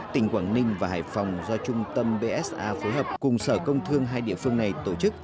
tỉnh quảng ninh và hải phòng do trung tâm bsa phối hợp cùng sở công thương hai địa phương này tổ chức